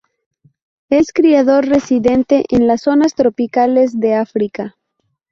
Es criador residente en las zonas tropicales de África.